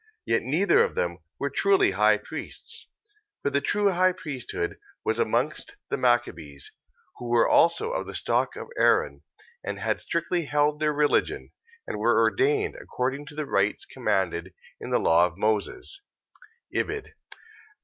yet neither of them were truly high priests; for the true high priesthood was amongst the Machabees, who were also of the stock of Aaron, and had strictly held their religion, and were ordained according to the rites commanded in the law of Moses. Ibid.